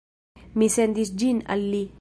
Mi sendis ĝin al li